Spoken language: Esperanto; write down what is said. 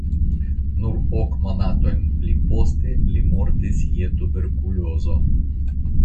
Nur ok monatojn pli poste li mortis je tuberkulozo.